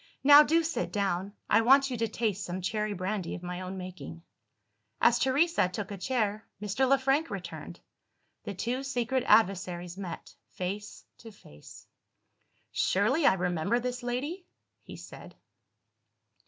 Now do sit down I want you to taste some cherry brandy of my own making." As Teresa took a chair, Mr. Le Frank returned. The two secret adversaries met, face to face. "Surely I remember this lady?" he said.